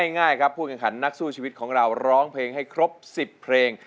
ง่ายครับผู้แข่งขันนักสู้ชีวิตของเราร้องเพลงให้ครบ๑๐เพลง